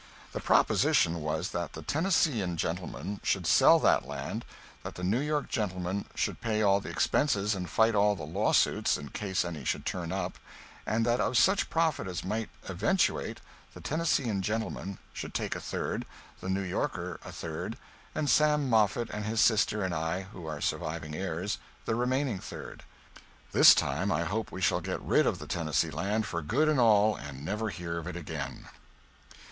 The proposition was that the Tennesseean gentleman should sell that land; that the New York gentleman should pay all the expenses and fight all the lawsuits, in case any should turn up, and that of such profit as might eventuate the Tennesseean gentleman should take a third, the New Yorker a third, and Sam Moffett and his sister and I who are surviving heirs the remaining third. This time I hope we shall get rid of the Tennessee land for good and all and never hear of it again.